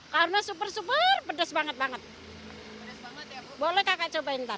karena super super pedes banget banget boleh kakak cobain ntar